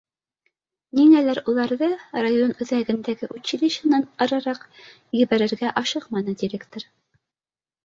Ниңәлер уларҙы район үҙәгендәге училищенан арыраҡ ебәрергә ашыҡманы директор.